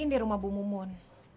ini rumah bu mumun